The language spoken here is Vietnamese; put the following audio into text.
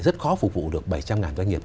rất khó phục vụ được bảy trăm linh doanh nghiệp